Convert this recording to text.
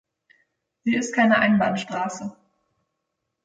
Sie ist keine Einbahnstraße.